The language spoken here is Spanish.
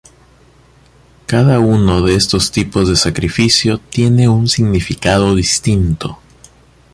Cada uno de estos tipos de sacrificio tiene un significado distinto.